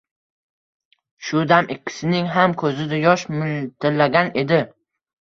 Shu dam ikkisining ham ko’zida yosh miltillagan edi.